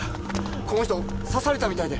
この人刺されたみたいで。